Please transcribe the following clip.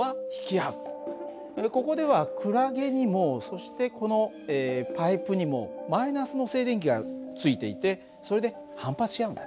ここではクラゲにもそしてこのパイプにもマイナスの静電気がついていてそれで反発し合うんだね。